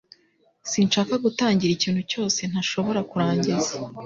Sinshaka gutangira ikintu cyose ntashobora kurangiza